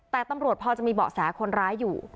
แต่ตำรวจพอจะมีเบาะแสคนร้ายอยู่